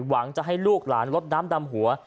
หวังจะให้ลูกหลานลดน้ำดำหัว